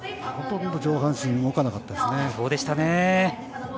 ほとんど上半身動かなかったですね。